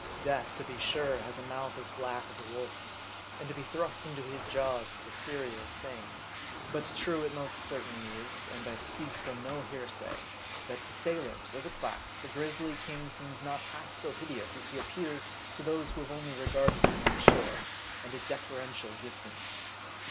Death, to be sure, has a mouth as black as a wolf's, and to be thrust into his jaws is a serious thing. But true it most certainly is and I speak from no hearsay that to sailors, as a class, the grisly king seems not half so hideous as he appears to those who have only regarded him on shore, and at a deferential dis tance.